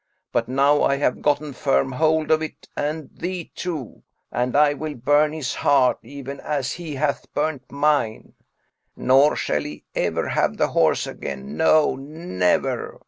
But now I have gotten firm hold of it and of thee too, and I will burn his heart even as he hath burnt mine; nor shall he ever have the horse again; no, never!